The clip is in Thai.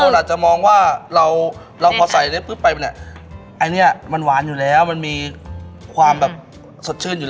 แต่บางคนจะมองว่าเราพอใส่เร็วอีกก็มีความสดชื่นอยู่